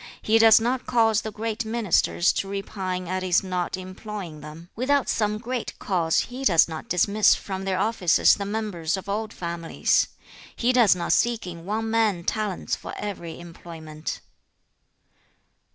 He does not cause the great ministers to repine at his not employing them. Without some great cause, he does not dismiss from their offices the members of old families. He does not seek in one man talents for every employment.'